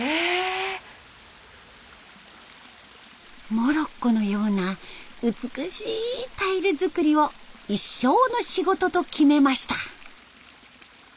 モロッコのような美しいタイル作りを一生の仕事と決めました。